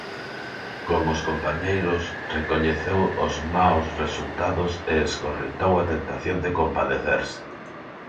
Como os compañeiros, recoñeceu os maos resultados e escorrentou a tentación de compadecerse.